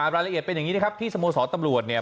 รายละเอียดเป็นอย่างนี้นะครับที่สโมสรตำรวจเนี่ย